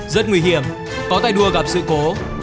rất nguy hiểm có tay đua gặp sự cố